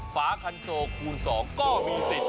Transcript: ฝาคันโซคูณ๒ก็มีสิทธิ์